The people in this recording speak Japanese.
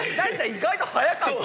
意外と速かった。